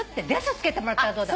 つけてもらったらどうだ。